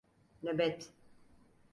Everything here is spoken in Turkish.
Nöbet.